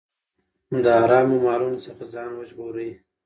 د حرامو مالونو څخه ځان وژغورئ.